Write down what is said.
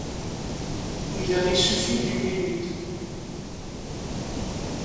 Et il avait suffi d'une minute.